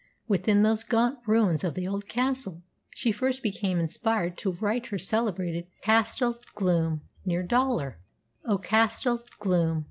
Within those gaunt ruins of the old castle she first became inspired to write her celebrated "Castell Gloom," near Dollar: Oh Castell Gloom!